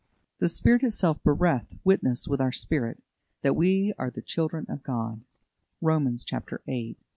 The Spirit itself beareth witness with our spirit, that we are the children of God" (Romans viii.